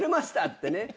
ってね